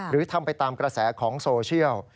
หรือทำไปตามกระแสของโซเชียล